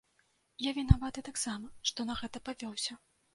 Я вінаваты таксама, што на гэта павёўся.